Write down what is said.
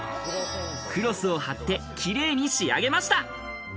クロスを貼ってキレイに仕上げました。